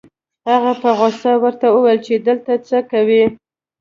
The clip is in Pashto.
هغه په غصه ورته وويل چې دلته څه کوې؟